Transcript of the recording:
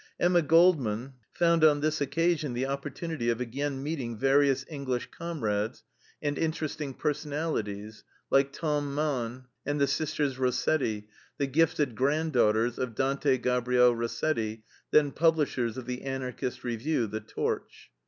Emma Goldman found on this occasion the opportunity of again meeting various English comrades and interesting personalities like Tom Mann and the sisters Rossetti, the gifted daughters of Dante Gabriel Rossetti, then publishers of the Anarchist review, the TORCH.